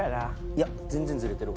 いや全然ズレてる。